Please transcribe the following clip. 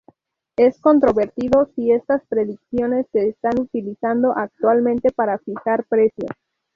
Es controvertido si estas predicciones se están utilizando actualmente para fijar precios.